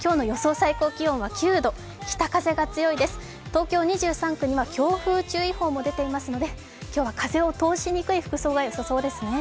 最高気温は９度、北風が強いです、東京２３区には強風注意報も出ていますので、今日は風を通しにくい服装がよさそうですね。